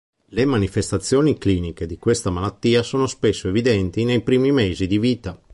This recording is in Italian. Le manifestazioni cliniche di questa malattia sono spesso evidenti nei primi mesi di vita.